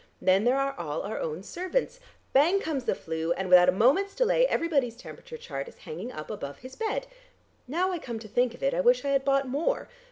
Then there are all our own servants. Bang comes the 'flu, and without a moment's delay everybody's temperature chart is hanging up above his bed. Now I come to think of it, I wish I had bought more.